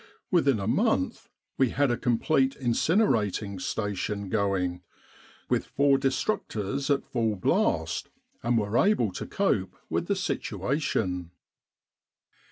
Within a month we had a complete Incinerating Station going, with four destructors at full blast, and were able to cope with the situation.